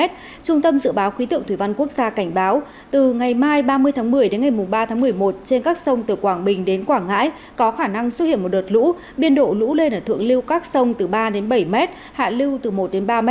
trung tâm dự báo khí tượng thủy văn quốc gia cảnh báo từ ngày mai ba mươi tháng một mươi đến ngày ba tháng một mươi một trên các sông từ quảng bình đến quảng ngãi có khả năng xuất hiện một đợt lũ biên độ lũ lên ở thượng lưu các sông từ ba đến bảy m hạ lưu từ một đến ba m